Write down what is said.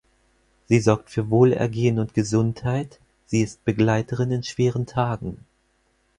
Sie sorgt für Wohlergehen und Gesundheit, sie ist Begleiterin in schweren Tagen.